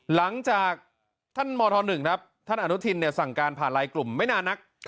หลังจากท่านมธ๑ครับท่านอนุทินสั่งการผ่านไลน์กลุ่มไม่นานนัก